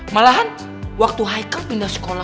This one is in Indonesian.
malahan waktu high care pindah sekolah